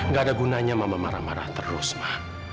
gak ada gunanya mama marah marah terus mah